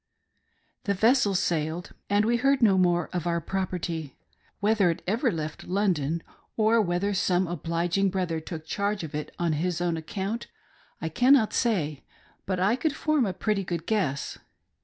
The vessel sailed, and we heard no more of our property. Whether it ever left London, or whether some obliging MISERIES OF AN EMIGRANT SHIP, I9i brother took charge of it on his own account, I cannot say, but I could form a pretty good guess.